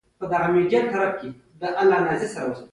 ډېری وختونه ښځې په شخړو کې یو دبل مخ ته نوکارې ور اچوي.